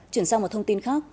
chuyển sang một thông tin khác